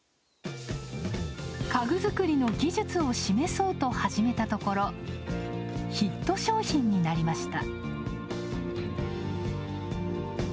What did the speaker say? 家具作りの技術を示そうと始めたところヒット商品になりました。